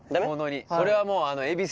それはもう。